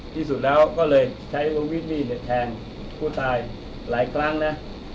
ที่สุดแล้วก็เลยใช้ลมีดมีดเน็ตแทงผู้ตายหลายกลางนะ